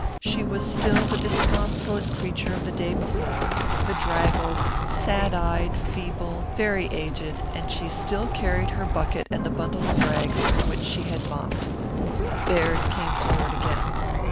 She was still the disconsolate creature of the day before, bedraggled, sad eyed, feeble, very aged, and still she carried her bucket and the bundle of rags with which she had mopped. Baird came forward again.